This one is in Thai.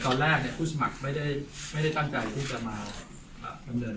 ตอนแรกกุธธรรมก์ไม่ได้ตั้งใจ